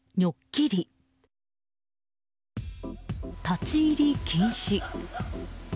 立ち入り禁止。